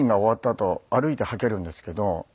あと歩いて捌けるんですけど。